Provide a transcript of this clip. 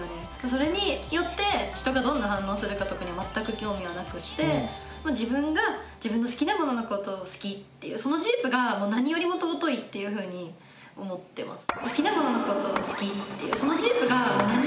それによって人がどんな反応するかとかに全く興味はなくって自分が自分の好きなもののことを好きっていうその事実が何よりも尊いっていうふうに思ってます。